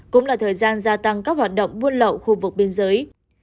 cũng là thời gian gia tăng các hoạt động buôn lậu khu vực biên giới